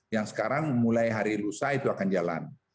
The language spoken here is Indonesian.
yang sekarang mulai hari lusa itu akan jalan